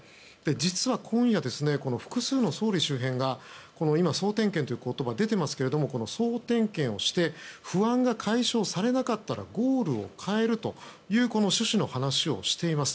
実は今夜、複数の総理周辺が今、総点検という言葉が出ていますが総点検をして不安が解消されなかったらゴールを変えるという趣旨の話をしています。